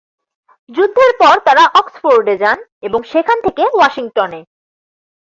যুদ্ধের পর তারা অক্সফোর্ডে যান, এবং সেখান থেকে ওয়াশিংটনে।